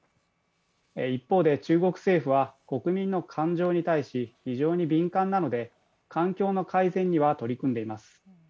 一方で中国政府は国民の感情に対し非常に敏感なので環境の改善には取り組んでいます。